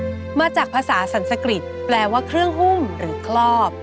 มาจากภาษาสรรสกริจแปลว่าเครื่องหุ้มหรือครอบ